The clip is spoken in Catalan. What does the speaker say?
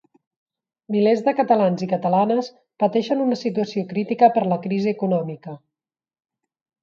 Milers de catalans i catalanes pateixen una situació crítica per la crisi econòmica.